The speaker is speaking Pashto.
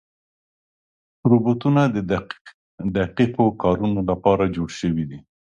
روبوټونه د دقیق کارونو لپاره جوړ شوي دي.